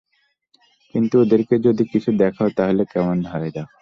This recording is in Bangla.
কিন্তু ওদেরকে যদি কিছু দেখাও, তাহলে কেমন হয়?